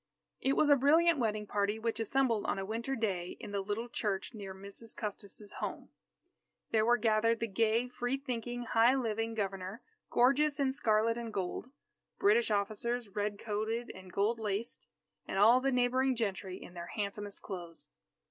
It was a brilliant wedding party which assembled on a winter day in the little church near Mrs. Custis's home. There were gathered the gay, free thinking, high living Governor, gorgeous in scarlet and gold; British officers, red coated and gold laced; and all the neighbouring gentry in their handsomest clothes.